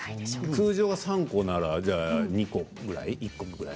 通常が３個なら２個ぐらい？